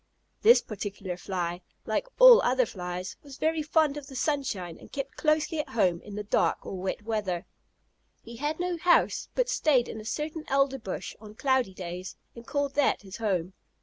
This particular Fly, like all other Flies, was very fond of the sunshine and kept closely at home in dark or wet weather. He had no house, but stayed in a certain elder bush on cloudy days and called that his home.